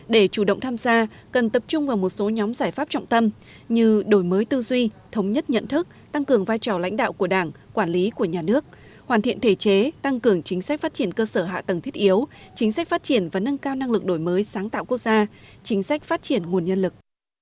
để chủ động tham gia cần tập trung vào một số nhóm giải pháp trọng tâm như đổi mới tư duy thống nhất nhận thức tăng cường vai trò lãnh đạo của đảng quản lý của nhà nước hoàn thiện thể chế tăng cường chính sách phát triển cơ sở hạ tầng thiết yếu chính sách phát triển và nâng cao năng lực đổi mới sáng tạo quốc gia chính sách phát triển nguồn nhân lực